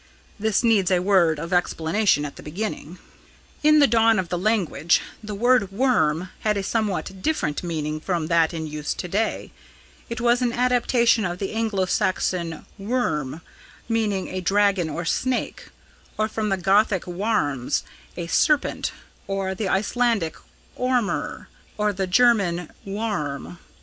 This needs a word of explanation at the beginning. "In the dawn of the language, the word 'worm' had a somewhat different meaning from that in use to day. It was an adaptation of the Anglo Saxon 'wyrm,' meaning a dragon or snake; or from the Gothic 'waurms,' a serpent; or the Icelandic 'ormur,' or the German 'wurm.'